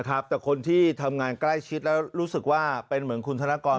แต่คนที่ทำงานใกล้ชิดแล้วรู้สึกว่าเป็นเหมือนคุณธนกร